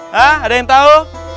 hah ada yang tau